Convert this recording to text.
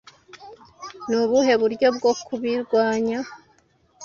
Ni ubuhe buryo bwo kubirwanya